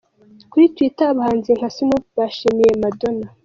Kuri Twitter abahanzi nka Snoop bashimiye Madona.